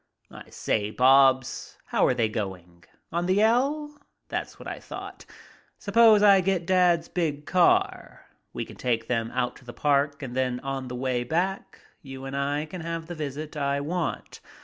"I say, Bobs, how are they going? On the L! That's what I thought. Suppose I get Dad's big car. We can take them out to the park and then on the way back you and I can have the visit I want.